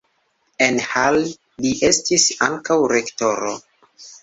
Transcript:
En Halle li estis ankaŭ rektoro.